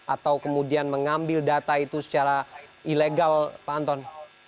atau kemudian mengambil data itu secara ilegal pak anton